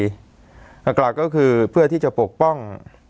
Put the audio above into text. หลักก็คือเพื่อที่จะปกป้อง